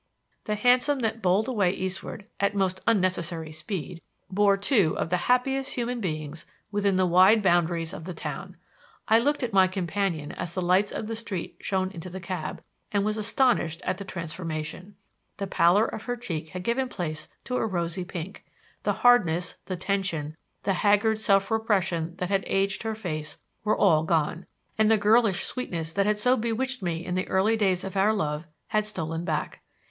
The hansom that bowled along eastward at most unnecessary speed bore two of the happiest human beings within the wide boundaries of the town. I looked at my companion as the lights of the street shone into the cab, and was astonished at the transformation. The pallor of her cheek had given place to a rosy pink; the hardness, the tension, the haggard self repression that had aged her face, were all gone, and the girlish sweetness that had so bewitched me in the early days of our love had stolen back.